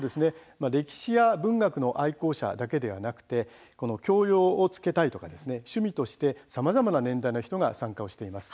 歴史や文学の愛好者だけではなくて教養をつけたいなど、さまざまな年代の人たちが取り組んでいます。